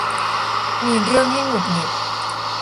มีเรื่องให้หงุดหงิด